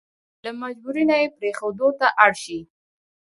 له مجبوري نه يې پرېښودو ته اړ شي.